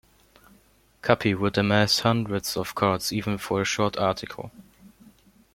Cuppy would amass hundreds of cards even for a short article.